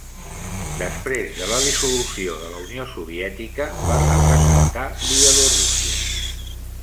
Després de la dissolució de la Unió Soviètica, va representar Bielorússia.